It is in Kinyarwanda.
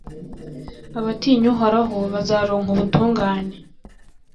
abatinya uhoraho bazaronka ubutungane